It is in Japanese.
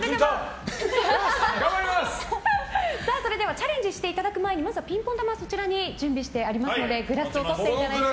チャレンジしていただく前にまずはピンポン玉を準備してありますのでグラスを取っていただいて。